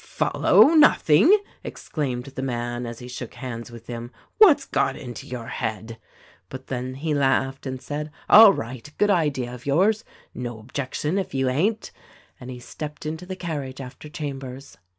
"Follow, nothing!" exclaimed the man as he shook hands with him. "What's got into your head?" But then he laughed and said, "All right ! Good idea of yours. No ob jection if you hain't," and he stepped into the carriage after Chambers.